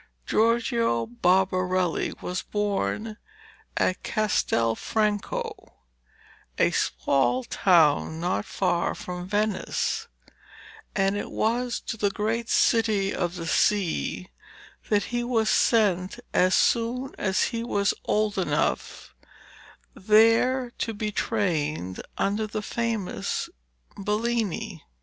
Giorgio Barbarelli was born at Castel Franco, a small town not far from Venice, and it was to the great city of the sea that he was sent as soon as he was old enough, there to be trained under the famous Bellini.